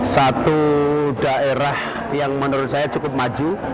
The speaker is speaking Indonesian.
satu daerah yang menurut saya cukup maju